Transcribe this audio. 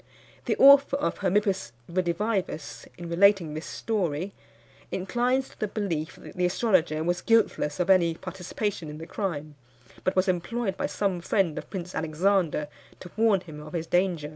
The author of Hermippus Redivivus, in relating this story, inclines to the belief that the astrologer was guiltless of any participation in the crime, but was employed by some friend of Prince Alexander to warn him of his danger.